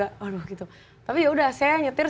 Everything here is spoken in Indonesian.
aduh gitu tapi ya udah saya nyetir